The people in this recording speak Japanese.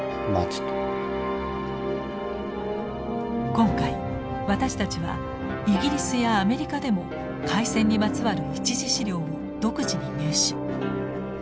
今回私たちはイギリスやアメリカでも開戦にまつわる一次資料を独自に入手。